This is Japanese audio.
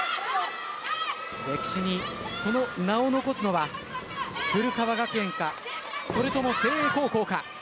歴史にその名を残すのは古川学園か、それとも誠英高校か。